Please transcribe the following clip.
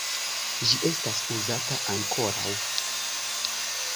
Ĝi estas uzata ankoraŭ.